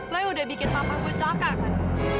lo udah bikin papa gue seakan